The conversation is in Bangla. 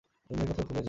ওই মেয়ের কথা ভুলে যাও।